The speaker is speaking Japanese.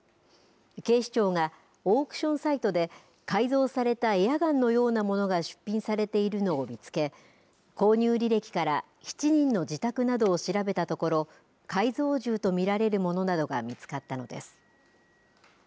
警視庁がオークションサイトで改造されたエアガンのようなものが出品されているのを見つけ購入履歴から７人の自宅などを調べたところ改造銃と見られるものなどが見つかったのです。